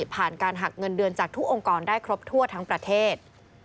ผ่านการหักเงินเดือนจากทุกองค์กรได้ครบทั่วทั้งประเทศ